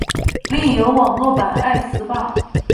另有网络版爱词霸。